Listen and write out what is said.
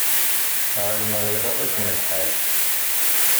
Ԑelmeɣ iɣaḍ-ikem lḥal.